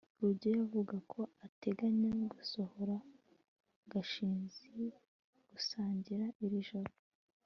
rugeyo avuga ko ateganya gusohora gashinzi gusangira iri joro